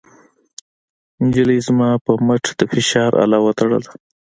نجلۍ زما پر مټ د فشار اله وتړله.